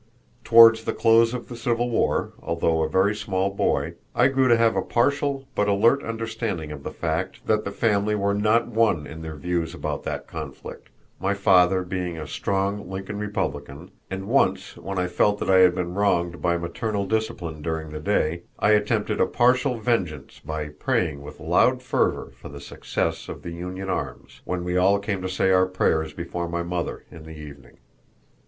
Towards the close of the Civil War, although a very small boy, I grew to have a partial but alert understanding of the fact that the family were not one in their views about that conflict, my father being a strong Lincoln Republican; and once, when I felt that I had been wronged by maternal discipline during the day, I attempted a partial vengeance by praying with loud fervor for the success of the Union arms, when we all came to say our prayers before my mother in the evening.